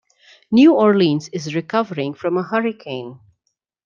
New Orleans is recovering from a hurricane.